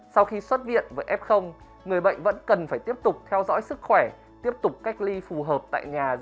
sau khi xuất viện với f người bệnh vẫn cần phải tiếp tục theo dõi sức khỏe tiếp tục cách ly phù hợp tại nhà